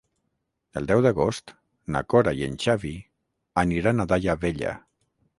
El deu d'agost na Cora i en Xavi aniran a Daia Vella.